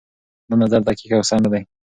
دا نظر دقيق او سم نه دی.